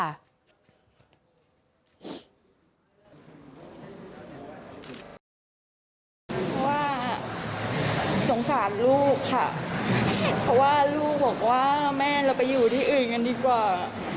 เพราะว่าสงสารลูกค่ะเพราะว่าลูกบอกว่าแม่เราไปอยู่ที่อื่นกันดีกว่า